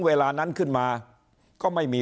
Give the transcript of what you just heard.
เวลานั้นขึ้นมาก็ไม่มี